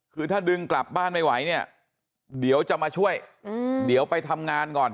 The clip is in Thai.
คือถ้าดึงกลับบ้านไม่ไหวเนี่ยเดี๋ยวจะมาช่วยเดี๋ยวไปทำงานก่อน